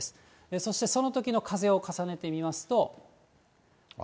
そしてそのときの風を重ねてみますと。